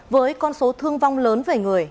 với con số thương vong lớn về người